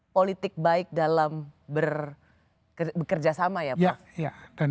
politik baik dalam bekerja sama ya prof